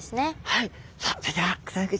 はい！